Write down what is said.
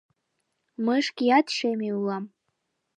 Мый шкеат шеме улам.